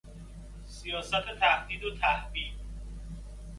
سیاست تهدید و تحبیب